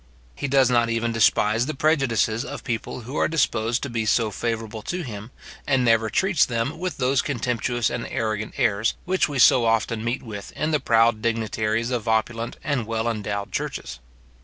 He does not even despise the prejudices of people who are disposed to be so favourable to him, and never treats them with those contemptuous and arrogant airs, which we so often meet with in the proud dignitaries of opulent and well endowed churches.